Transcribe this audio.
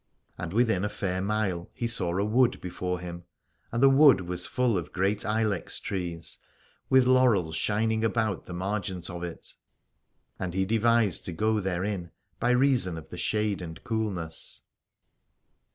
And within a fair mile he saw a wood before him : and the wood was full of great ilex trees, with laurels shining about the margent of it. And he devised to go therein, by reason of the shade and coolness.